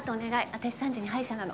私３時に歯医者なの。